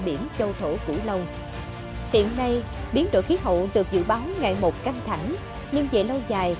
biển châu thổ cửu long hiện nay biến đổi khí hậu được dự báo ngày một căng thẳng nhưng về lâu dài